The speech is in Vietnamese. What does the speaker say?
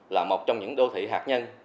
là một trong những đô thị hạt nhân